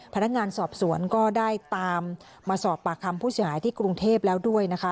พนักงานสอบสวนก็ได้ตามมาสอบปากคำผู้เสียหายที่กรุงเทพแล้วด้วยนะคะ